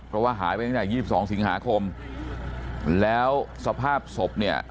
เพราะว่าหายไปตั้งแต่๒๒สิงหาคมแล้วสภาพศพเนี่ย